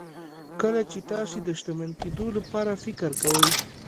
کله چې تاسې د شتمن کېدو لپاره فکر کوئ.